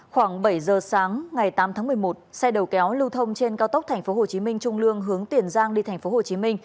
khoảng bảy giờ sáng ngày tám tháng một mươi một xe đầu kéo lưu thông trên cao tốc tp hcm trung lương hướng tiền giang đi tp hcm